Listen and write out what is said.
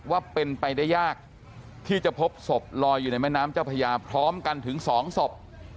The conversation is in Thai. ว่าเป็นไปได้ยากที่จะพบศพลอยอยู่ในแม่น้ำเจ้าพญาพร้อมกันถึง๒ศพ